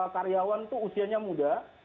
karyawan tuh usianya muda